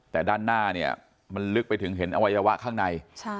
แต่ด้านหน้าเนี่ยมันลึกไปถึงเห็นอวัยวะข้างใน